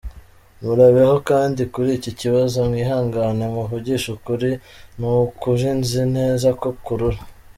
Murabeho kandi kuri iki kibazo mwihangane muvugishe ukuri n’ukuri nzi neza ko kurura.